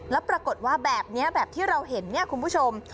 แล้วปรากฏว่าแบบนี้แบบที่เราเห็นเนี่ยคุณผู้ชม